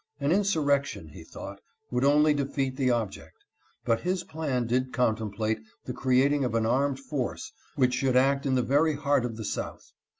An insurrection, he thought, would only defeat the object ;\but his plan did contemplate the creating of an armed force which should act in the very heart of the South.